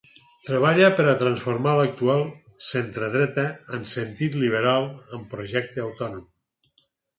Treballa per a transformar l'actual centredreta en sentit liberal amb projecte autònom.